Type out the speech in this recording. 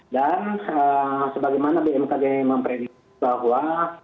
dan sebagaimana bmkg memprediksi bahwa